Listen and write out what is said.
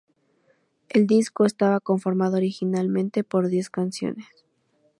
El disco estaba conformado originalmente por diez canciones.